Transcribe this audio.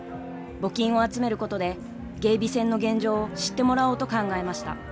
募金を集めることで芸備線の現状を知ってもらおうと考えました。